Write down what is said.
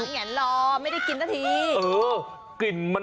หมาอยากกินด้วย